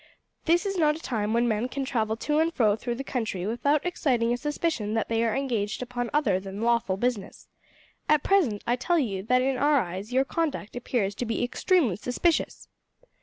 This is not a time when men can travel to and fro through the country without exciting a suspicion that they are engaged upon other than lawful business. At present I tell you that in our eyes your conduct appears to be extremely suspicious."